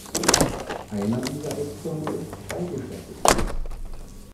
Einer dieser Ecktürme ist zweigeschossig.